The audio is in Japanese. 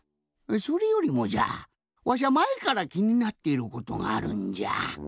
それよりもじゃわしゃまえからきになっていることがあるんじゃ。